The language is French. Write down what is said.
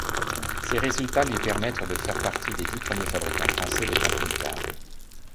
Ces résultats lui permettent de faire partie des dix premiers fabricants français de camping-cars.